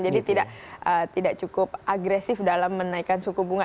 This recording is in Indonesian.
jadi tidak cukup agresif dalam menaikkan suku bunga